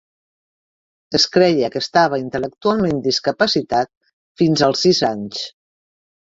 Es creia que estava intel·lectualment discapacitat fins als sis anys.